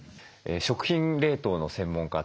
食品冷凍の専門家